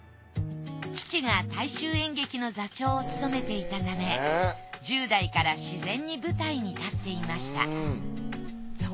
父が大衆演劇の座長を務めていたため１０代からしぜんに舞台に立っていました。